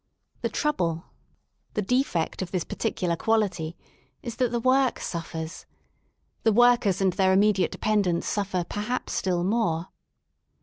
The trouble, the defect of this particular Quality, is that the work suffers. The workers and their immediate dependants suffer perhaps still more.